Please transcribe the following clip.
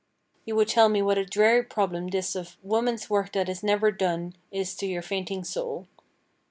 You would tell me what a dreary problem this of "woman's work that is never done" is to your fainting soul.